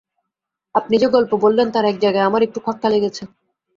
আপনি যে-গল্প বললেন, তার এক জায়গায় আমার একটু খটকা লেগেছে।